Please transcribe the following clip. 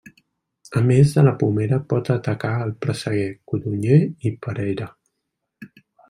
A més de la pomera pot atacar el presseguer, codonyer i perera.